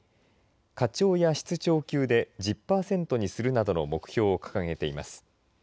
課長や室長級で１０パーセントにするなどの目標を掲げています。